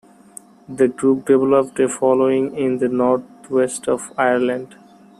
The group developed a following in the North West of Ireland.